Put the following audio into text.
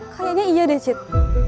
kayaknya iya deh cik